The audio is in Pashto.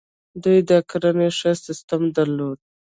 دوی د کرنې ښه سیستم درلود